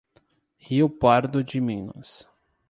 Rio Pardo de Minas